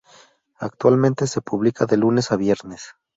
Actualmente se publica de lunes a viernes.